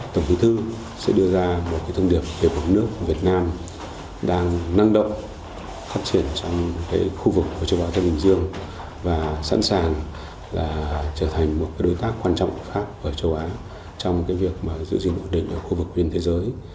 tổng bí thư sẽ đưa ra một thông điệp về một nước việt nam đang năng động phát triển trong khu vực của châu á thái bình dương và sẵn sàng trở thành một đối tác quan trọng khác ở châu á trong việc giữ gìn ổn định ở khu vực biên giới